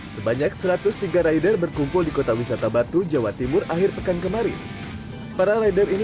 sebanyak satu ratus tiga rider berkumpul di kota wisata batu jawa timur akhir pekan kemarin para rider ini